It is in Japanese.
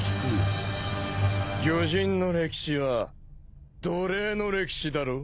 魚人の歴史は奴隷の歴史だろ？